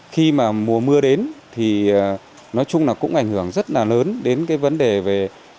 khi mà mùa mưa đến thì nói chung là cũng ảnh hưởng rất là lớn đến cái vấn đề về